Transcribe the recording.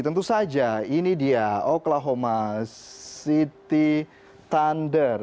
tentu saja ini dia oklahoma city thunder